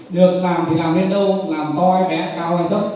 được làm thì làm lên đâu làm to hay bé cao hay rốc